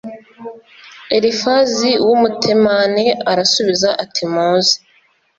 elifazi w umutemani arasubiza ati muze